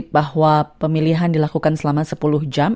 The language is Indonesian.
bahwa pemilihan dilakukan selama sepuluh jam